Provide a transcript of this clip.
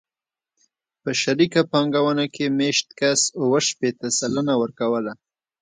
په شریکه پانګونه کې مېشت کس اوه شپېته سلنه ورکوله